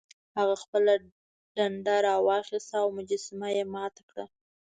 هغه خپله ډنډه راواخیسته او مجسمه یې ماته کړه.